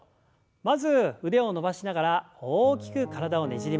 まず腕を伸ばしながら大きく体をねじります。